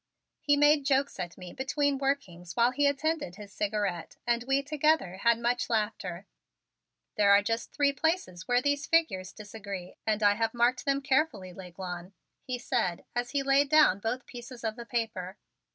He made jokes at me between workings while he attended his cigarette and we, together, had much laughter. "There are just three places where these figures disagree and I have marked them carefully, L'Aiglon," he said as at last he laid down both pieces of the paper.